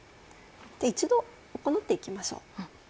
一度行っていきましょう。